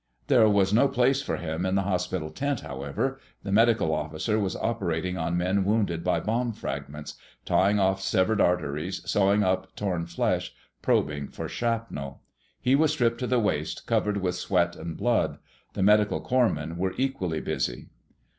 There was no place for him in the hospital tent, however. The medical officer was operating on men wounded by bomb fragments—tying off severed arteries, sewing up torn flesh, probing for shrapnel. He was stripped to the waist, covered with sweat and blood. The medical corps men were equally busy.